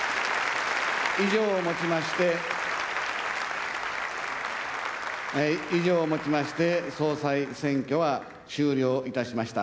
以上をもちまして、以上をもちまして、総裁選挙は終了いたしました。